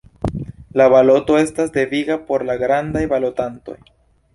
La baloto estas deviga por la grandaj balotantoj.